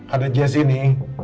ada jess ini